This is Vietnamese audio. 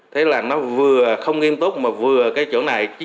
thế là nó vừa không nghiêm túc mà vừa cái chỗ này